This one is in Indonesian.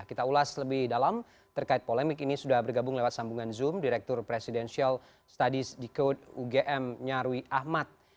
kita ulas lebih dalam terkait polemik ini sudah bergabung lewat sambungan zoom direktur presidential studies di code ugm nyarwi ahmad